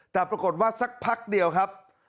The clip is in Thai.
แต่ปรากฏว่าสักพักเดียวครับ